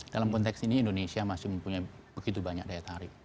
dalam konteks ini indonesia masih mempunyai begitu banyak daya tarik